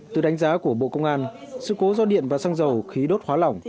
từ đánh giá của bộ công an sự cố do điện và xăng dầu khí đốt hóa lỏng